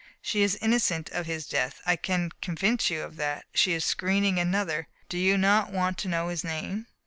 "She is innocent of his death; I can convince you of that. She is screening another. Do you not want to know his name?